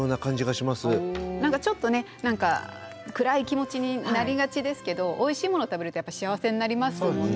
何かちょっとね何か暗い気持ちになりがちですけどおいしいもの食べるとやっぱ幸せになりますもんね。